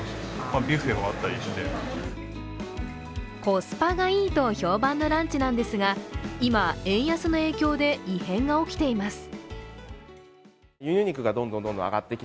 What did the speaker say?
コスパがいいと評判のランチなんですが、今、円安の影響で異変が起きています。